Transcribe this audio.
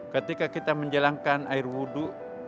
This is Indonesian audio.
ketika kita menjalankan air wudhu